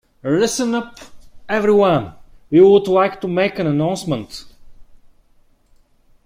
Listen up everyone, we would like to make an announcement.